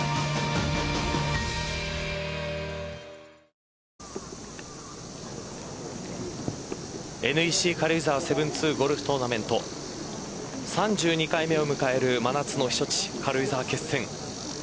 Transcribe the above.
小祝と神谷は同じぐらいでしたがＮＥＣ軽井沢７２ゴルフトーナメント３２回目を迎える真夏の避暑地、軽井沢決戦。